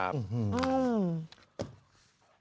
ครับ